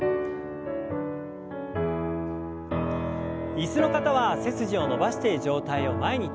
椅子の方は背筋を伸ばして上体を前に倒します。